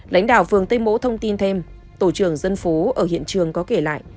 lãnh đạo phường tây mỗ thông tin thêm tổ trưởng dân phố ở hiện trường có kể lại